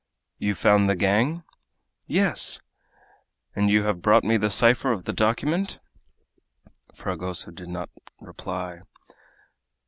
"You found the gang?" "Yes." "And you have brought me the cipher of the document?" Fragoso did not reply.